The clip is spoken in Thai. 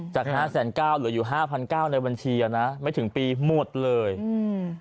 จากห้าแสนเก้าเหลืออยู่ห้าพันเก้าในบัญชีอ่ะนะไม่ถึงปีหมดเลยอืม